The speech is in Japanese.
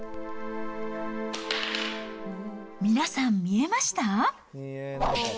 皆さん、見えました？